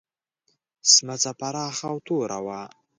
سمڅه پراخه او توره وه.